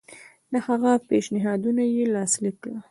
د هغه پېشنهادونه یې لاسلیک کړل.